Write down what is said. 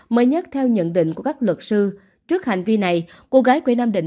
mới nhất theo nhận định của các luật sư trước hành vi này cô gái quê nam định